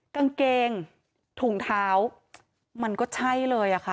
กางเกงถุงเท้ามันก็ใช่เลยค่ะ